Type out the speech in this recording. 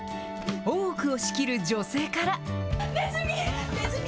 大奥を仕切る女性から。